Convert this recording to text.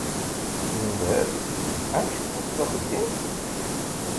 Yendeh-as: Amek tfukeḍ axeddim?